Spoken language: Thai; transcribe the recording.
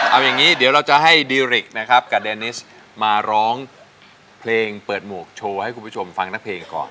เอาอย่างนี้เดี๋ยวเราจะให้ดีริกนะครับกับเดนิสมาร้องเพลงเปิดหมวกโชว์ให้คุณผู้ชมฟังนักเพลงก่อน